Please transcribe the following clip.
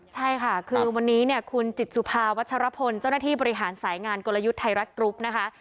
ใช่ค่ะคือวันนี้เนี่ยคุณจิตสุภาวัชรพลเจ้าหน้าที่บริหารสายงานกลยุทธ์ไทยรัฐกรุ๊ปนะคะ